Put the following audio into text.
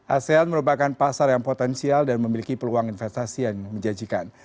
asean merupakan pasar yang potensial dan memiliki peluang investasi yang menjanjikan